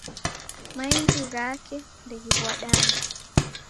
Maindi ghake ndeghiw'adane.